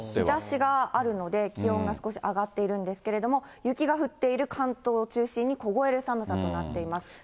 日ざしがあるので、気温が少し上がっているんですけれども、雪が降っている関東を中心に凍える寒さとなっています。